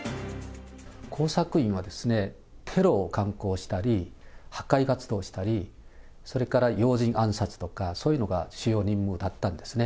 工作員はテロを敢行したり、破壊活動したり、それから要人暗殺とか、そういうのが主要任務だったんですね。